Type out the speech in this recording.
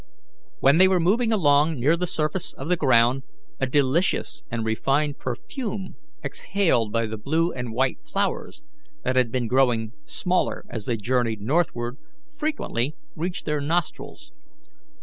When they were moving along near the surface of the ground, a delicious and refined perfume exhaled by the blue and white flowers, that had been growing smaller as they journeyed northward, frequently reached their nostrils.